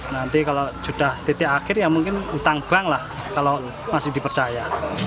nanti kalau sudah titik akhir ya mungkin utang bank lah kalau masih dipercaya